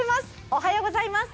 おはようございます。